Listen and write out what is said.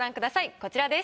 こちらです。